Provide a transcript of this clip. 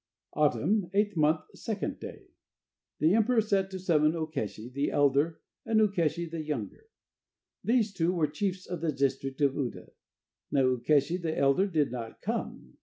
Autumn, 8th month, 2d day. The emperor sent to summon Ukeshi the elder and Ukeshi the younger. These two were chiefs of the district of Uda. Now Ukeshi the elder did not come.